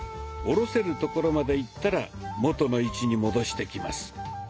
下ろせるところまでいったら元の位置に戻してきます。